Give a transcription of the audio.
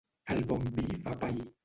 El bon vi fa pair.